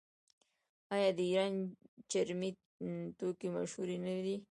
آیا د ایران چرمي توکي مشهور نه دي؟